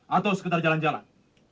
atau sekedar jalan jalan